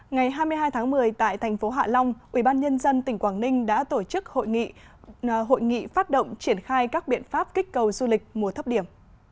ngày hai mươi hai tháng một mươi tại thành phố hạ long ubnd tỉnh quảng ninh đã tổ chức hội nghị phát động triển khai các biện pháp kích cầu du lịch mùa thấp điểm